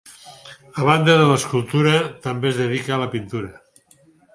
A banda de l'escultura, també es dedica a la pintura.